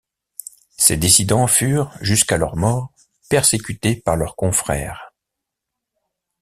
Ces dissidents furent, jusqu’à leur mort, persécutés par leurs confrères.